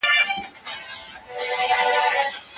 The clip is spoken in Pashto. بشريت له پانګه وال ښکېلاک څخه تښتي.